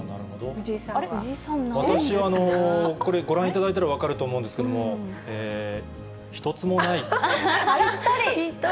私はこれ、ご覧いただいたら分かると思うんですけれども、やっぱり。